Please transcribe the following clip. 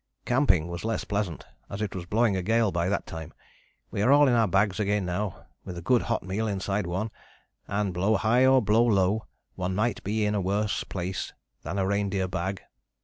Camping was less pleasant as it was blowing a gale by that time. We are all in our bags again now, with a good hot meal inside one, and blow high or blow low one might be in a worse place than a reindeer bag."